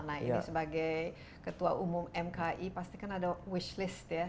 nah ini sebagai ketua umum mki pasti kan ada wish list ya